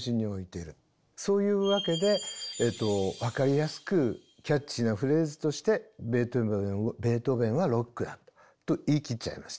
そういうわけで分かりやすくキャッチーなフレーズとして「ベートーヴェンはロックだ！」と言い切っちゃいました。